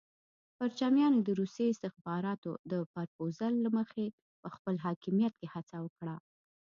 پرچمیانو د روسي استخباراتو د پرپوزل له مخې په خپل حاکمیت کې هڅه وکړه.